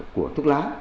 của thuốc lá